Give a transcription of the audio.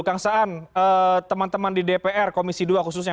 kang saan teman teman di dpr komisi dua khususnya